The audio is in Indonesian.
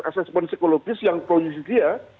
asesmen psikologis yang proyeksi dia